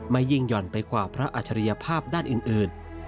ยิ่งหย่อนไปกว่าพระอัจฉริยภาพด้านอื่น